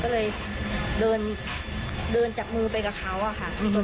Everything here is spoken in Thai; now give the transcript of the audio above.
ก็เลยเดินจับมือไปกับเขาอะค่ะ